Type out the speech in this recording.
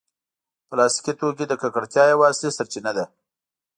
پلاستيکي توکي د ککړتیا یوه اصلي سرچینه ده.